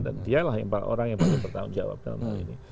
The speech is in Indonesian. dan dialah orang yang paling bertanggung jawab dalam hal ini